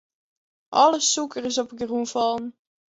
Alle sûker is op de grûn fallen.